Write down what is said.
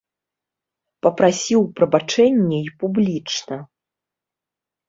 Папрасіў прабачэння і публічна.